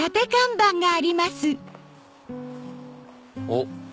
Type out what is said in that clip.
おっ！